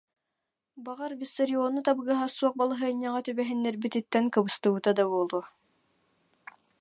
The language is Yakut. Баҕар, Виссариону табыгаһа суох балаһыанньаҕа түбэһин- нэрбититтэн кыбыстыбыта да буолуо